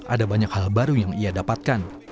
ada banyak hal baru yang ia dapatkan